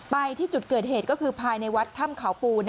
ไปที่จุดเกิดเหตุก็คือภายในวัดถ้ำเขาปู